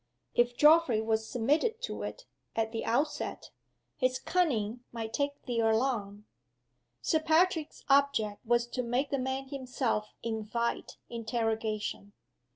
If Geoffrey was submitted to it, at the outset, his cunning might take the alarm. Sir Patrick's object was to make the man himself invite interrogation.